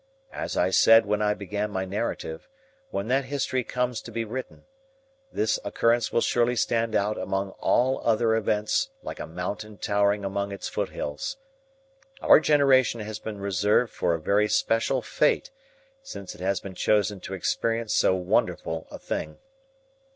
As I said when I began my narrative, when that history comes to be written, this occurrence will surely stand out among all other events like a mountain towering among its foothills. Our generation has been reserved for a very special fate since it has been chosen to experience so wonderful a thing.